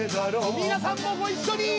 皆さんもご一緒に！